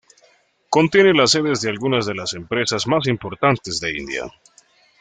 Contiene las sedes de algunas de las empresas más importantes de India.